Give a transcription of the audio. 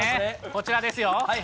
こちらですよ。